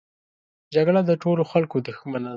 جګړه د ټولو خلکو دښمنه ده